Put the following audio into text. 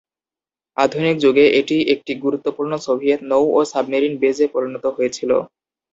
আধুনিক যুগে এটি একটি গুরুত্বপূর্ণ সোভিয়েত নৌ ও সাবমেরিন বেসে পরিণত হয়েছিল।